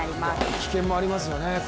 危険もありますよね。